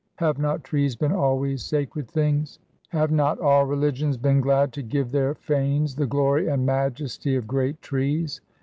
Have not trees been always sacred things? Have not all religions been glad to give their fanes the glory and majesty of great trees?